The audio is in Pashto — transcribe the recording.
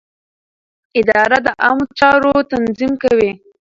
اداره د عامه چارو تنظیم کوي.